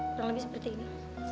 kurang lebih seperti ini